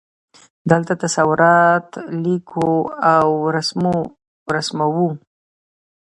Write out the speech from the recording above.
دلته تصورات لیکو او رسموو.